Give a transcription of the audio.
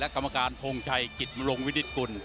กรรมการทงชัยกิจมรงวินิตกุล